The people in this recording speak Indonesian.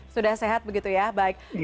sudah sehat begitu ya